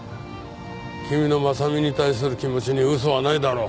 君の真実に対する気持ちに嘘はないだろう。